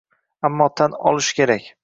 Ammo tan olish kerak.